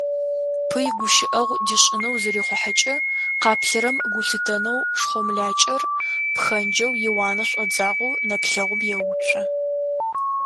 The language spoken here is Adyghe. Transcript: Пый гущыӏэгъу дишӏынэу зырихъухьэкӏэ къаплъэрэм гу лъитэнэу шхомлакӏэр пхэнджэу иуанэ шӏодзагъэу, нэплъэгъум еуцо.